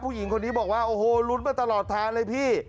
ผู้หญิงคนนี้บอกว่าโอ้โหลุ้นมาตลอดทางเลยพี่